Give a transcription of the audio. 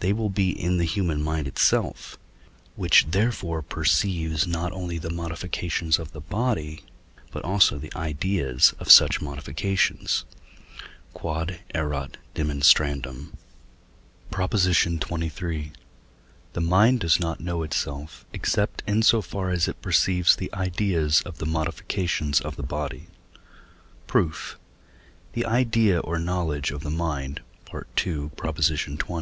they will be in the human mind itself, which therefore perceives not only the modifications of the body, but also the ideas of such modifications. Q.E.D. PROP. XXIII. The mind does not know itself, except in so far as it perceives the ideas of the modifications of the body. Proof. The idea or knowledge of the mind (II. xx.)